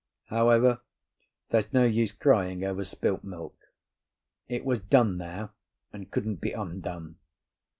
However, there's no use crying over spilt milk. It was done now, and couldn't be undone.